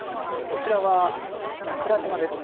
こちらは桜島です。